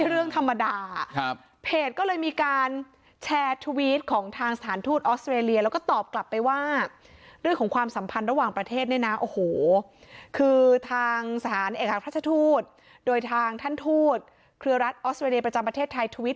เราให้คิวเปิดตัวภาพยนตร์เรื่องหวะแต่แตกแหกโควิต